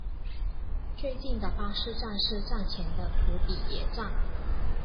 最近的巴士站是站前的土笔野站。